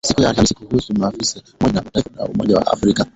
siku ya Alhamis huku maafisa wa Umoja wa Mataifa na Umoja wa Afrika